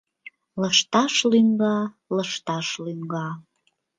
Лышташ лӱҥга, лышташ лӱҥга